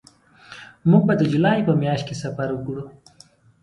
موږ به د جولای په میاشت کې سفر وکړو